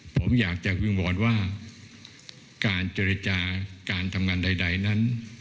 ผมอยากจะวิงวอนว่าการเจรจาการทำงานใดนั้น